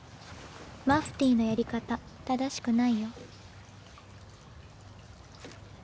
マフティーのやり方正しくないよ。